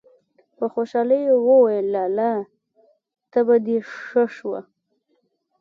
په خوشالي يې وويل: لالا! تبه دې ښه شوه!!!